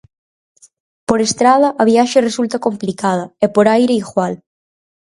Por estrada a viaxe resulta complicada e por aire igual.